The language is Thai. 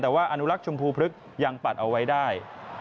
แต่ว่าอนุลักษ์ชมพูพลึกยังปัดเอาไว้ได้